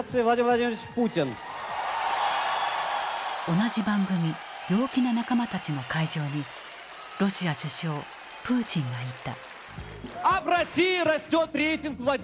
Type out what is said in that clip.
同じ番組「陽気な仲間たち」の会場にロシア首相プーチンがいた。